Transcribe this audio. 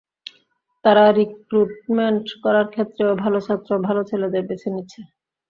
তারা রিক্রুটমেন্ট করার ক্ষেত্রেও ভালো ছাত্র, ভালো ছেলেদের বেছে নিচ্ছে।